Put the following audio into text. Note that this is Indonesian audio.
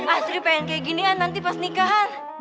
asri pengen kayak ginian nanti pas nikahan